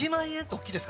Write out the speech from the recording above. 大きいです。